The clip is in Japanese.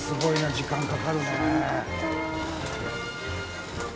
時間かかるね。